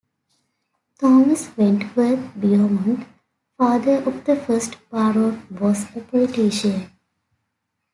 Thomas Wentworth Beaumont, father of the first Baron, was a politician.